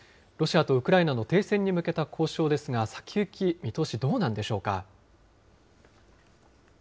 ロシアとウクライナの停戦に向けた交渉ですが、先行き、見通し、どうなんでしょうか。